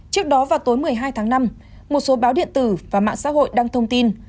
trước đó vào tối một mươi hai tháng năm một số báo điện tử và mạng xã hội đăng thông tin